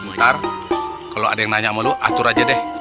ntar kalau ada yang nanya sama lu atur aja deh